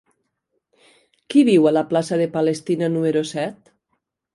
Qui viu a la plaça de Palestina número set?